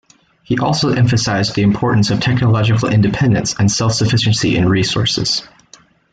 He also emphasized the importance of technological independence and self-sufficiency in resources.